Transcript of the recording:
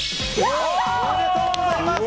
おめでとうございます！